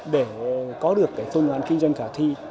để có được cái phương án kinh doanh khả thi